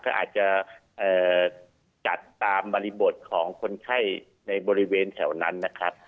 ก็อาจจะจัดตามบริบทของคนไข้ในบริเวณแถวนั้นนะครับ